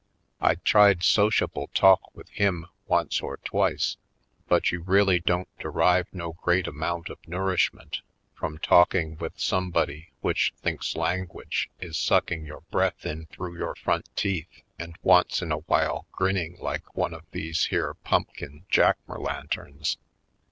I tried sociable talk with him once or twice but you really don't derive no great amount of nourishment from talking with somebody which thinks language is sucking your breath in through your front teeth and once in awhile grinning like one of these here pumpkin Jack mer lanterns.